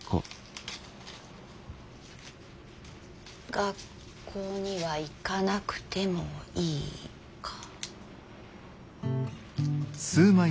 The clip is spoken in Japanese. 学校には行かなくてもいいか。